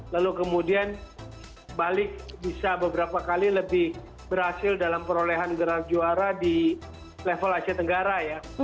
lalu kemudian balik bisa beberapa kali lebih berhasil dalam perolehan gelar juara di level asia tenggara ya